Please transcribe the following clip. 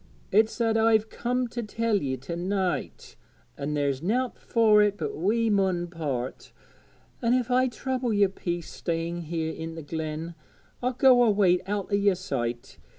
It's that I've comed to tell ye to night; an' there's nowt fur it but we mun part. An' if I trouble yer peace staying here i' the glen, I'll go away out o' yer sight.